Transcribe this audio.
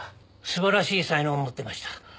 素晴らしい才能を持ってました。